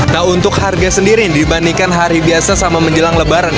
nah untuk harga sendiri dibandingkan hari biasa sama menjelang lebaran